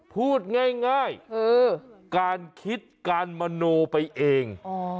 พูดง่ายคือการคิดการมโนไปเอง